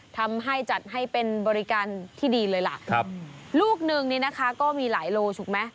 ทำให้จัดให้เป็นบริการที่ดีเลยล่ะครับลูกหนึ่งนี่นะคะก็มีหลายโลถูกไหม